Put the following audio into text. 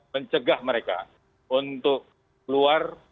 mencegah mereka untuk keluar